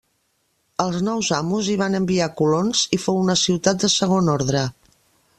Els nous amos hi van enviar colons i fou una ciutat de segon ordre.